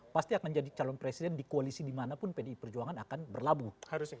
pasti akan jadi calon presiden di koalisi dimanapun pdi perjuangan akan berlabuh